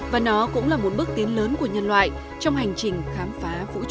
và nó cũng là một bước tiến lớn của nhân loại trong hành trình khám phá vũ trang